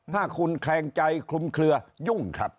ถ้าคุณแคลงใจคลุมเคลือยุ่งครับ